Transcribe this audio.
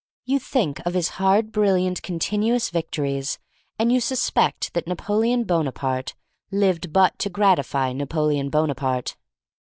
You think of his hard, brilliant, continuous victories, and you suspect that Napo leon Bonaparte lived but to gratify Napoleon Bonaparte.